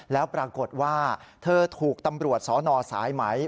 แล้วปรากฏว่าเธอถูกตำรวจสนสายไหม